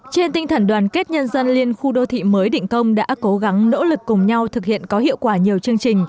trên tinh thần đoàn kết nhân dân liên khu đô thị mới định công đã cố gắng nỗ lực cùng nhau thực hiện có hiệu quả nhiều chương trình